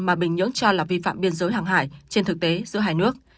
mà bình nhưỡng cho là vi phạm biên giới hàng hải trên thực tế giữa hai nước